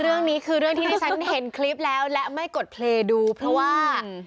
เรื่องนี้คือเรื่องที่ที่ฉันเห็นคลิปแล้วและไม่กดเพลย์ดูเพราะว่า